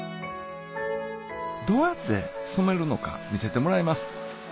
どうやって染めるのか見せてもらいます